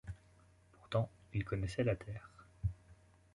Pourtant il connaissait la terre.